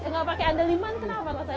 kalau gak ada liman kenapa rasanya